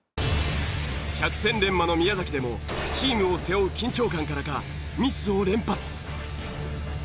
百戦錬磨の宮崎でもチームを背負う緊張感からかミスを連発。